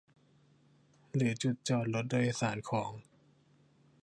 หรือจุดจอดรถโดยสารของ